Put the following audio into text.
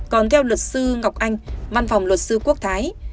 còn theo luật sư ngọc anh văn phòng luật sư quốc thái